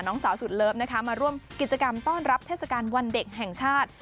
น้องสาวสุดเลิฟนะคะมาร่วมกิจกรรมต้อนรับเทศกาลวันเด็กแห่งชาติ